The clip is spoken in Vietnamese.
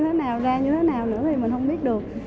ra như thế nào nữa thì mình không biết được